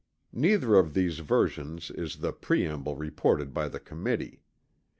Neither of these versions is the preamble reported by the Committee.